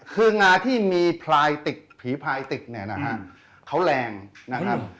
คืองาที่มีพลายติกผีพลายติกเนี่ยนะฮะเขาแรงนะครับ